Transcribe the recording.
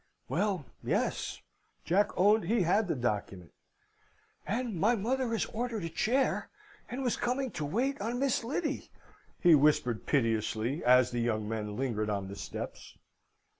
"Well, yes," Jack owned he had the document "and my mother has ordered a chair, and was coming to wait on Miss Lyddy," he whispered piteously, as the young men lingered on the steps.